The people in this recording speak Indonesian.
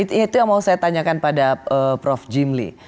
kalau saya tanyakan pada prof jimli